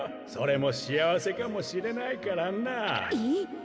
それもしあわせかもしれないからなあ。